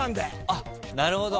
あっなるほど。